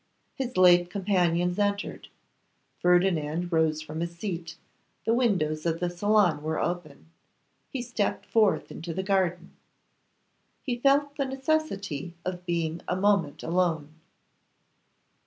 His late companions entered. Ferdinand rose from his seat; the windows of the salon were open; he stepped forth into the garden. He felt the necessity of being a moment alone.